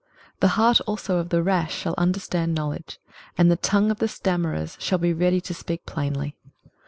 23:032:004 The heart also of the rash shall understand knowledge, and the tongue of the stammerers shall be ready to speak plainly.